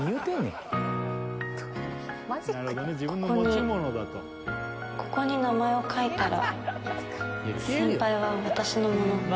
ここにここに名前を書いたら先輩は私のもの